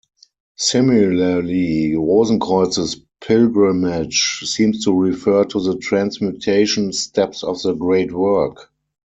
Similarly, Rosenkreuz's pilgrimage seems to refer to the transmutation steps of the Great Work.